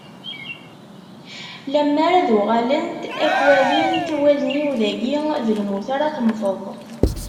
Lemmer ad uɣalent ad k-walint wallen-iw dagi, d lmut ara temmteḍ.